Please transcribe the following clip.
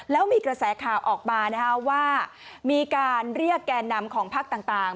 แล้วมีกระแสข่าวออกมาว่ามีการเรียกแก่นำของพักต่าง